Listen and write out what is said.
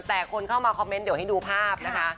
แต่คนเข้ามาคอมเมนต์เดี๋ยวให้ดูภาพนะคะ